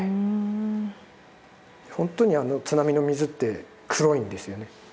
本当に津波の水って黒いんですよね。